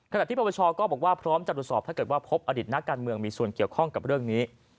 ขณะที่ประประชาก็บอกว่าพร้อมจะตรวจสอบถ้าเกิดว่าพบอดิตนักการเมืองมีส่วนเกี่ยวข้องกับเรื่องนี้